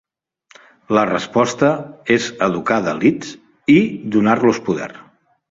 La resposta és educar Dalits i donar-los poder.